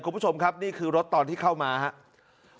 คุณผู้ชมครับนี่คือรถตอนที่เข้ามาครับ